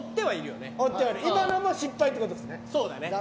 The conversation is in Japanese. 今のは失敗ということですね。